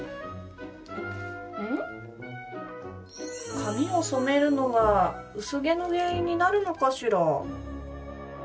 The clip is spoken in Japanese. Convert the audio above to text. ん？髪を染めるのは薄毛の原因になるのかしら？